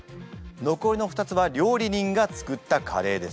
残りの２つは料理人が作ったカレーです。